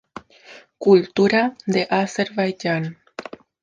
Cultura de Azerbaiyán